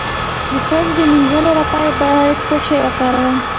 د پوزې د مینځلو لپاره باید څه شی وکاروم؟